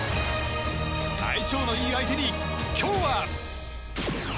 相性のいい相手に、今日は。